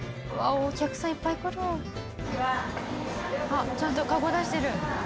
「あっちゃんとカゴ出してる」